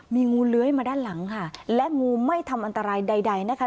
มีงูเลื้อยมาด้านหลังค่ะและงูไม่ทำอันตรายใดนะคะ